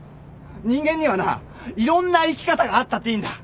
人間にはないろんな生き方があったっていいんだ。